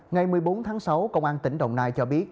ngày một mươi bốn tháng sáu công an tỉnh đồng nai cho biết